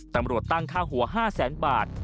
ตำรวจตั้งค่าหัว๕แสนบาท